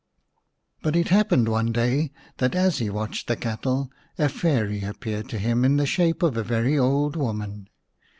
But it happened one day that as he watched the cattle a Fairy appeared to him in the shape of a very old woman.